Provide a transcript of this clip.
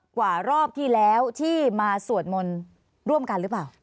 กว่ารอบที่แล้วที่มาสวดมนต์ร่วมกันหรือเปล่า